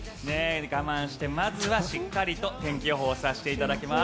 我慢して、まずはしっかりと天気予報させていただきます。